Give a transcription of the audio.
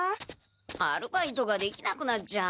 アルバイトができなくなっちゃう。